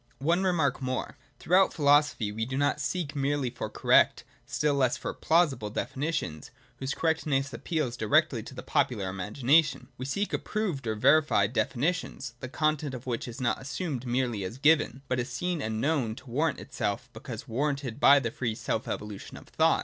One remark more. Throughout philosophy we do not seek merely for correct, still less for plausible definitions, whose correctness appeals directly to the popular imagination ; we seek approved or verified definitions, the content of which is not assumed merely as given, but is seen and kno wn to warrant itself, because warranted by the free self evolution of thought.